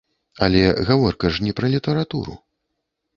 Але гаворка ж не пра літаратуру.